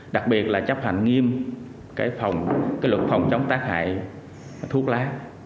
đặc biệt là chấp hành nghiêm luật phòng chống tác hại thuốc lá